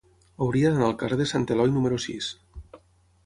Hauria d'anar al carrer de Sant Eloi número sis.